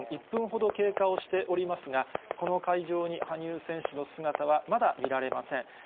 １分ほど経過をしておりますが、この会場に羽生選手の姿はまだ見られません。